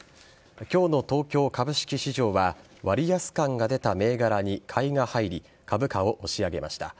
今日の東京株式市場は割安感が出た銘柄に買いが入り株価を押し上げました。